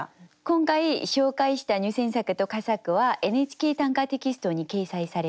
今回紹介した入選作と佳作は「ＮＨＫ短歌」テキストに掲載されます。